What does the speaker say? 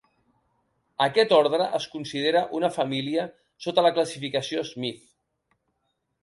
Aquest ordre es considera una família sota la classificació Smith.